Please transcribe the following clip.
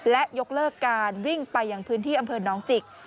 และยกเลิกการวิ่งไปยังพื้นที่อำเภอน้องจิก